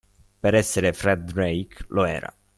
per essere Fred Drake lo era!